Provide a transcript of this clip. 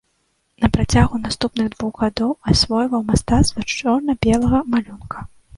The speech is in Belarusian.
На працягу наступных двух гадоў асвойваў мастацтва чорна-белага малюнка.